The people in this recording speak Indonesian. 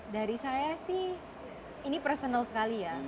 dari saya sih ini personal sekali ya